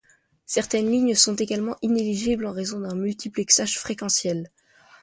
Certaines lignes sont également inéligibles en raison d'un multiplexage fréquentiel.